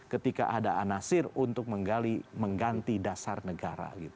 ketika ada anasir untuk mengganti dasar negara